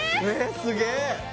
すげえ！